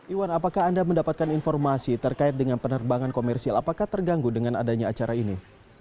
iwan apakah anda mendapatkan informasi terkait dengan penerbangan komersial apakah terganggu dengan adanya acara ini